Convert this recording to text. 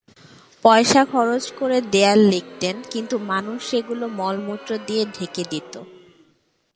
পয়সা খরচ করে দেয়াল লিখতেন, কিন্তু মানুষ সেগুলো মলমূত্র দিয়ে ঢেকে দিত।